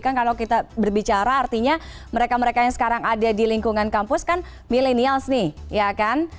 kan kalau kita berbicara artinya mereka mereka yang sekarang ada di lingkungan kampus kan milenials nih ya kan